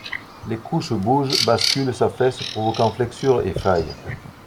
Les couches bougent, basculent, s'affaissent, provoquant flexures et failles.